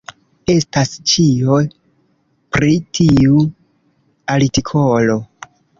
Estas ĉio pri tiu artikolo.